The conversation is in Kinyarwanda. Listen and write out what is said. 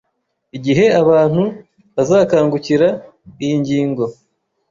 Igihe abantu bazakangukira iyi ngingo,